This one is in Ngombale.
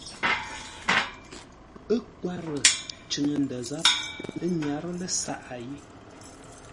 Ə́ nkwarə́ cʉŋə ndə̂ záp, ə́ nyárə́ ləsaʼá yé.